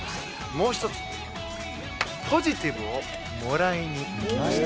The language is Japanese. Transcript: もう１つ、ポジティブをもらいに行きました。